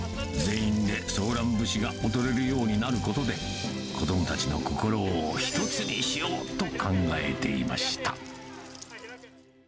全員でソーラン節が踊れるようになることで、子どもたちの心を一つにしようと考えていました。